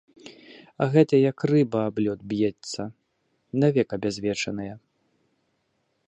А гэтая як рыба аб лёд б'ецца, навек абязвечаная.